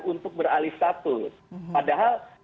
untuk beralih status padahal